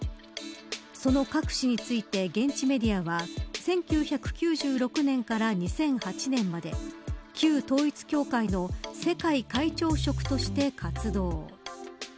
そのカク氏について現地メディアは１９９６年から２００８年まで旧統一教会の世界会長職として活動。